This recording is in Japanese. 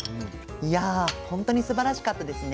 いやほんとにすばらしかったですね。